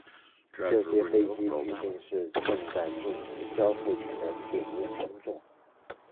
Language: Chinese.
这些飞机据信是正在进行交付前的检验工作。